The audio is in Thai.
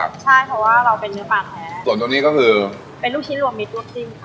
ใช่เพราะว่าเราเป็นเนื้อปลาแท้ส่วนตัวนี้ก็คือเป็นลูกชิ้นรวมมิตรลวกจิ้มค่ะ